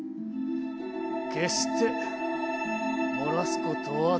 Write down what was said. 決して漏らすことはできぬ。